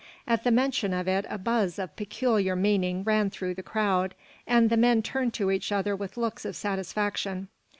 At the mention of it a buzz of peculiar meaning ran through the crowd, and the men turned to each other with looks of satisfaction.